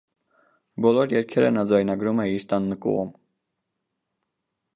Բոլոր երգերը նա ձայնագրում էր իր տան նկուղում։